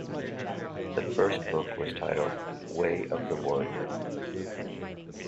The first book was titled "Way of the Warrior".